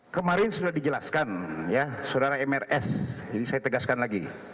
kemarin sudah dijelaskan ya saudara mrs jadi saya tegaskan lagi